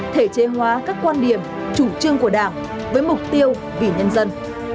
thể chế hóa các quan điểm chủ trương của đảng với mục tiêu vì nhân dân